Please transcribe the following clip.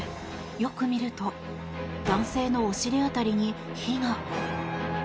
よく見ると男性のお尻辺りに火が。